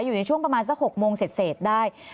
อยู่ในช่วงประมาณสัก๖โมงเสร็จได้